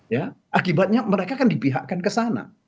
ya akibatnya mereka kan dipihakkan ke sana